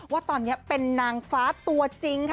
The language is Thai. ว่าตอนนี้เป็นนางฟ้าตัวจริงค่ะ